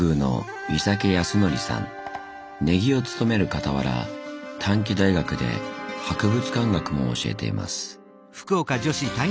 禰宜を務めるかたわら短期大学で博物館学も教えています。